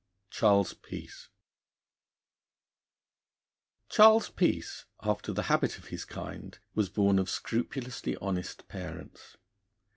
II CHARLES PEACE CHARLES PEACE, after the habit of his kind, was born of scrupulously honest parents.